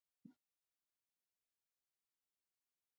因华人血统而成为中华队一员。